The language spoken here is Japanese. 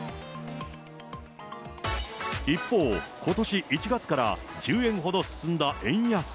一方、ことし１月から１０円ほど進んだ円安。